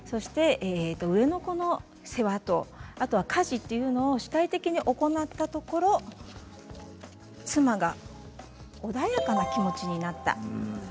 上の子の世話と家事というのを主体的に行ったところ妻が穏やかな気持ちになった。